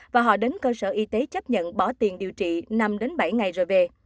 và họ đến cơ sở y tế chấp nhận bỏ tiền điều trị năm bảy ngày rồi về